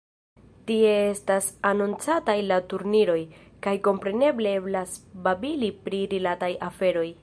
Tie estas anoncataj la turniroj, kaj kompreneble eblas babili pri rilataj aferoj.